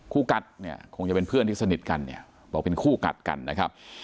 กัดเนี่ยคงจะเป็นเพื่อนที่สนิทกันเนี่ยบอกเป็นคู่กัดกันนะครับ